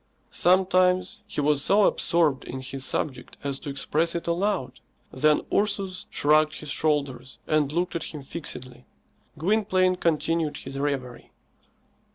Sometimes he was so absorbed in his subject as to express it aloud. Then Ursus shrugged his shoulders and looked at him fixedly. Gwynplaine continued his reverie.